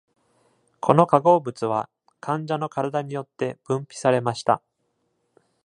この化合物は患者の体によって分泌されました。